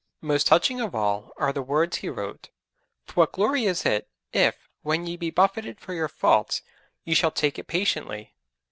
Most touching of all are the words he wrote: '_For what glory is it, if, when ye be buffeted for your faults, ye shall take it patiently?